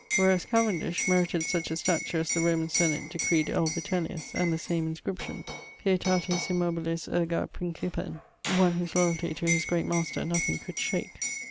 Whereas Cavendish merited such a statue as the Roman senate decreed L. Vitellius, and the same inscription, Pietatis immobilis erga Principem, one whose loyaltie to his great master nothing could shake.